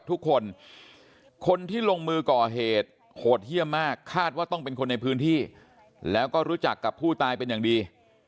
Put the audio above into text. ทุกคนคนที่ลงมือก่อเหตุโหดเยี่ยมมากคาดว่าต้องเป็นคนในพื้นที่แล้วก็รู้จักกับผู้ตายเป็นอย่างดี